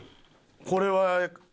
これは。